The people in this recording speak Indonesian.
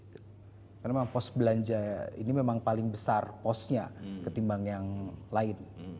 karena memang pos belanja ini memang paling besar posnya ketimbang yang lain